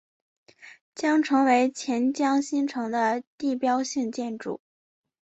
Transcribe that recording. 将成为钱江新城的地标性建筑。